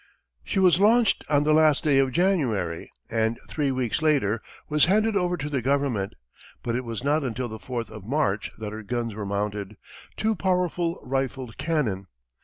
She was launched on the last day of January, and three weeks later was handed over to the Government, but it was not until the fourth of March that her guns were mounted, two powerful rifled cannon.